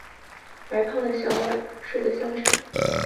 白胖的小脸睡的香沉